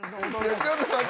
ちょっと待って。